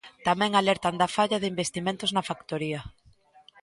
Tamén alertan da falla de investimentos na factoría.